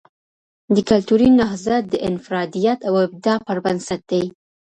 د کلتوری نهضت د انفرادیت او ابداع پر بنسټ دی.